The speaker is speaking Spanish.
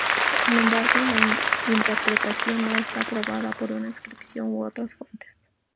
Sin embargo, la interpretación no está probada por una inscripción u otras fuentes.